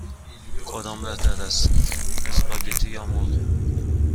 کدام بهتر است: اسپاگتی یا مرغ؟